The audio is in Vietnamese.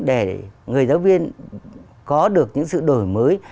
để người giáo viên có được những sự đổi mới